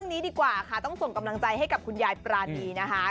ดีกว่าค่ะต้องส่งกำลังใจให้กับคุณยายปรานีนะคะ